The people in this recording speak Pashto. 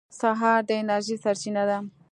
سهار د انرژۍ سرچینه ده.